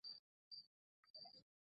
আমার ভয়, পাছে আর্টের কথা পেড়ে বসেন।